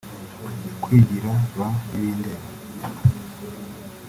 kwigira ba ntibindeba